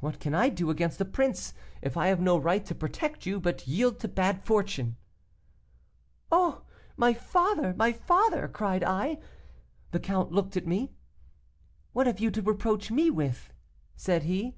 'What can I do against a prince, if I have no right to protect you, but yield to bad fortune?' "'Oh! my father! my father!' cried I. The count looked at me. 'What have you to reproach me with?' said he.